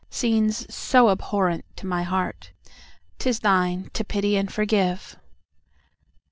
Scenes so abhorrent to my heart!—'Tis thine to pity and forgive.